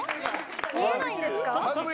見えないんですか？